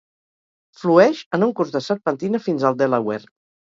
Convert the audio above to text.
Flueix en un curs de serpentina fins al Delaware.